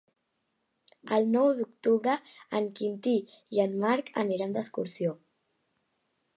El nou d'octubre en Quintí i en Marc aniran d'excursió.